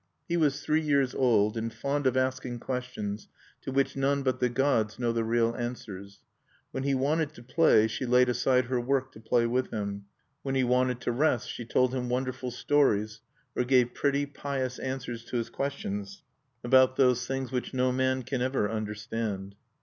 He was three years old, and fond of asking questions to which none but the gods know the real answers. When he wanted to play, she laid aside her work to play with him. When he wanted to rest, she told him wonderful stories, or gave pretty pious answers to his questions about those things which no man can ever understand.